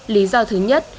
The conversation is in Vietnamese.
lý do thứ nhất